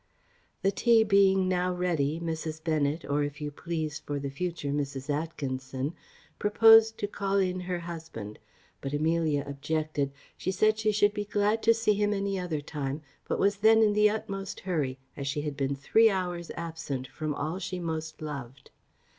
The tea being now ready, Mrs. Bennet, or, if you please, for the future, Mrs. Atkinson, proposed to call in her husband; but Amelia objected. She said she should be glad to see him any other time, but was then in the utmost hurry, as she had been three hours absent from all she most loved.